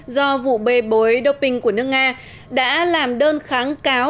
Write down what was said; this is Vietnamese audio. do vụ bê bối doping của nước nga đã làm đơn kháng cáo